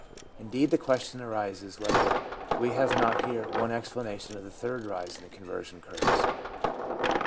Indeed, the question arises whether we have not here one explanation of the third rise in the conversion curves.